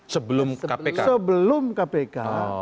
sebelum kpk sebelum kpk